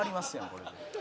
これで。